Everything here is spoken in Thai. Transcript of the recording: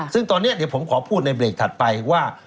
ซึ่งตอนนี้เดี๋ยวผมขอพูดในเบรกถัดไปว่า